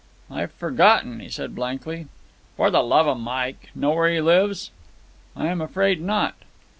"I've forgotten," he said blankly. "For the love of Mike! Know where he lives?" "I am afraid not."